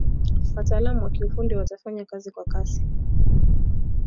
Wataalamu wa kiufundi watafanya kazi kwa kasi